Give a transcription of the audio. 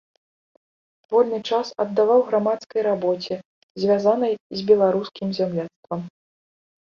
Вольны час аддаваў грамадскай рабоце, звязанай з беларускім зямляцтвам.